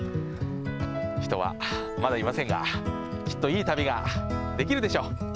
人はまだいませんがきっといい旅ができるでしょう。